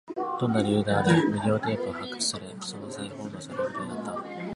どんな理由であれ、ビデオテープは発掘され、再放送されることになった